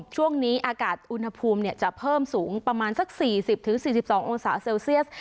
ช่วงนี้อากาศอุณหภูมิเนี่ยจะเพิ่มสูงประมาณสักสี่สิบถึงสี่สิบสององศาเซลเซียส